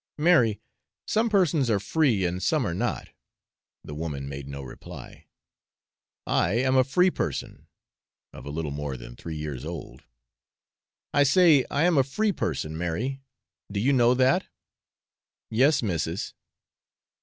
'Mary, some persons are free and some are not (the woman made no reply). I am a free person (of a little more than three years old). I say, I am a free person, Mary do you know that?' 'Yes, missis.'